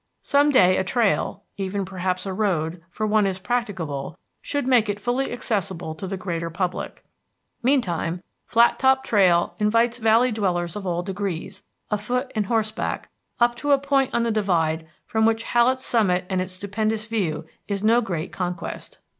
Some day a trail, even perhaps a road, for one is practicable, should make it fully accessible to the greater public. Meantime Flattop Trail invites valley dwellers of all degrees, afoot and horseback, up to a point on the divide from which Hallett's summit and its stupendous view is no great conquest.